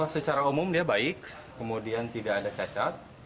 secara umum dia baik kemudian tidak ada cacat